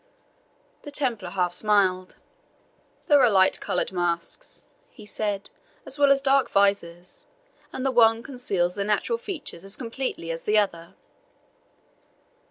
The Templar half smiled. "There are light coloured masks," he said, "as well as dark visors, and the one conceals the natural features as completely as the other."